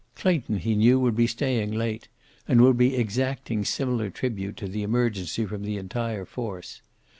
Clayton, he knew, would be staying late, and would be exacting similar tribute to the emergency from the entire force.